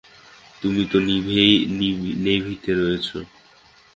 তুমি তো নেভিতে রয়েছো।